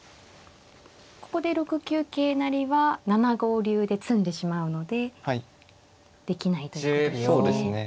ここで６九桂成は７五竜で詰んでしまうのでできないということですね。